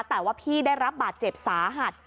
แต่ว่าพี่ได้รับบาดเจ็บสาหัส